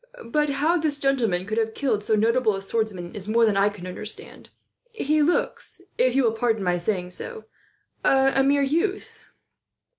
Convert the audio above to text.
But how this gentleman could have killed so notable a swordsman is more than I can understand. He looks, if you will pardon my saying so, a mere youth."